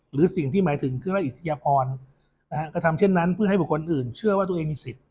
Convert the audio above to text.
หรือสิ่งที่หมายถึงเครื่องและอิทยาพรนะฮะกระทำเช่นนั้นเพื่อให้บุคคลอื่นเชื่อว่าตัวเองมีสิทธิ